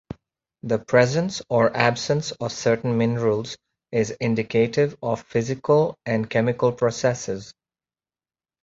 The presence or absence of certain minerals is indicative of physical and chemical processes.